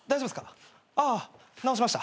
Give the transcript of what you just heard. ああ直しました？